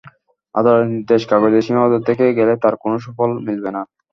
আদালতের নির্দেশ কাগজেই সীমাবদ্ধ থেকে গেলে তার কোনো সুফল মিলবে না।